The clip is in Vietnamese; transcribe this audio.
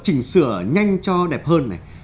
chỉnh sửa nhanh cho đẹp hơn này